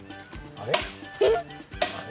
あれ？